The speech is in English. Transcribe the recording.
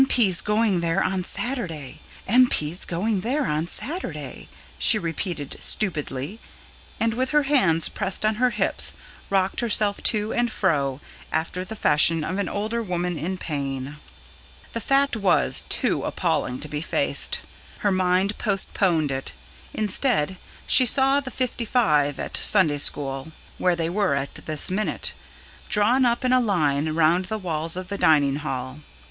P.'s going there on Saturday ... M. P.'s going there on Saturday," she repeated stupidly, and, with her hands pressed on her hips, rocked herself to and fro, after the fashion of an older woman in pain. The fact was too appalling to be faced; her mind postponed it. Instead, she saw the fifty five at Sunday school where they were at this minute drawn up in a line round the walls of the dining hall.